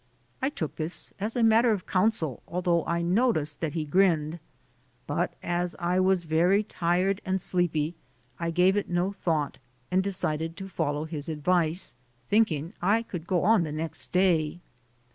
I took this as a matter of counsel, although I noticed that he grinned. But as I was very tired and sleepy, I gave it no thought and decided to follow his advice, thinking I would go on the next day.